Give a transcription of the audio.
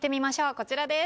こちらです。